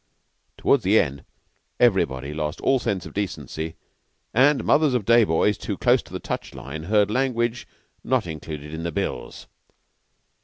Toward the end everybody lost all sense of decency, and mothers of day boys too close to the touch line heard language not included in the bills.